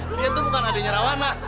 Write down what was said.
he dia tuh bukan adik nyarawana